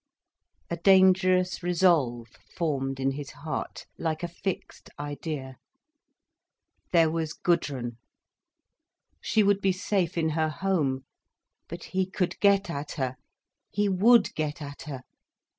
A dangerous resolve formed in his heart, like a fixed idea. There was Gudrun—she would be safe in her home. But he could get at her—he would get at her.